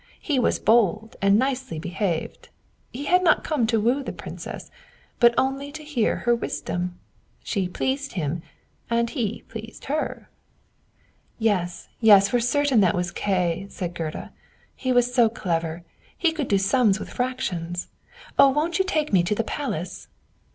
He was bold and nicely behaved; he had not come to woo the Princess, but only to hear her wisdom. She pleased him and he pleased her." "Yes, yes, for certain that was Kay," said Gerda. "He was so clever; he could do sums with fractions. Oh, won't you take me to the palace?"